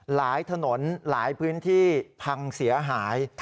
ถนนหลายพื้นที่พังเสียหาย